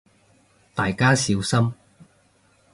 大家小心